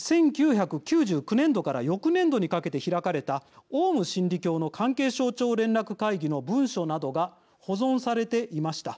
１９９９年度から翌年度にかけて開かれたオウム真理教の関係省庁連絡会議の文書などが保存されていました。